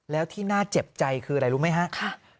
แล้วที่น่าเจ็บใจคืออะไรรู้ไหมครับ